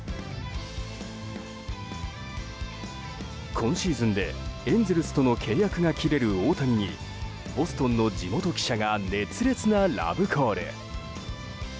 今シーズンでエンゼルスとの契約が切れる大谷にボストンの地元記者が熱烈なラブコール。